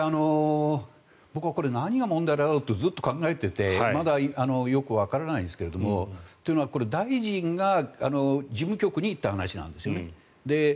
僕、これは何が問題だろうとずっと考えていてまだよくわからないんですけどというのは、大臣が事務局に言った話なんですよね。